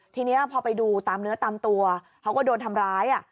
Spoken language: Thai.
ทีนี้พอไปดูตามเนื้อตามตัวเขาก็โดนทำร้าย